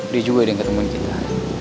dia juga ada yang ketemuin kita